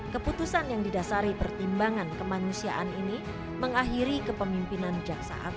keputusan yang didasari pertimbangan kemanusiaan ini mengakhiri kepemimpinan jaksa agung